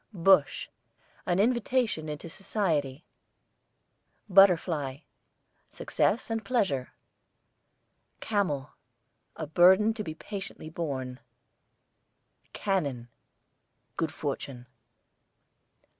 BUSH, an invitation into society. BUTTERFLY, success and pleasure. CAMEL, a burden to be patiently borne. CANNON, good fortune.